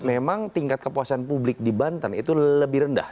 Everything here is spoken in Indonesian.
memang tingkat kepuasan publik di banten itu lebih rendah